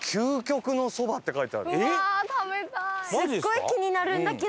すごい気になるんだけど。